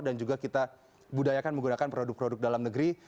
dan juga kita budayakan menggunakan produk produk dalam negeri